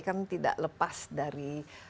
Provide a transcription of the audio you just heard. kan tidak lepas dari